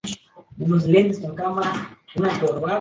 Desde muy joven tuvo que ayudar a su padre en el taller de zapatería.